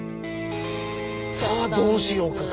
「さあどうしようか」か。